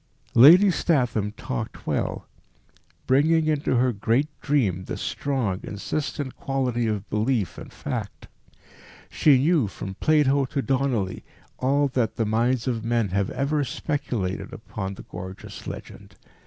Lady Statham talked well, bringing into her great dream this strong, insistent quality of belief and fact. She knew, from Plato to Donelly, all that the minds of men have ever speculated upon the gorgeous legend.